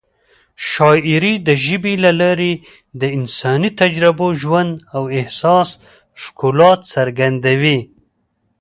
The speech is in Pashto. شاعري د ژبې له لارې د انساني تجربو، ژوند او احساس ښکلا څرګندوي.